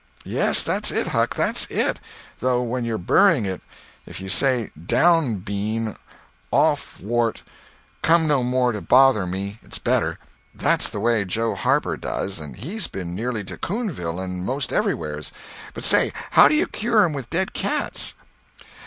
"Yes, that's it, Huck—that's it; though when you're burying it if you say 'Down bean; off wart; come no more to bother me!' it's better. That's the way Joe Harper does, and he's been nearly to Coonville and most everywheres. But say—how do you cure 'em with dead cats?"